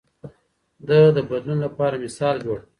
ده د بدلون لپاره مثال جوړ کړ.